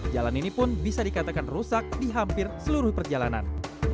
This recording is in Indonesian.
jalan ini pun bisa dikatakan rusak di hampir seluruh perjalanan